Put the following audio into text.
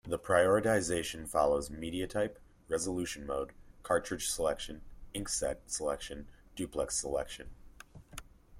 The prioritization follows: media type, resolution mode, cartridge selection, inkset selection, duplex selection.